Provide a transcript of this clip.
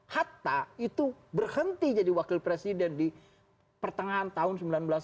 hatta itu berhenti jadi wakil presiden di pertengahan tahun sembilan belas